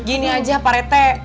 gini aja pak rt